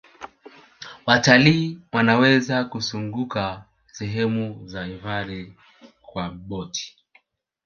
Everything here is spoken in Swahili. watalii Wanaweza kuzunguka sehemu za hifadhi kwa boti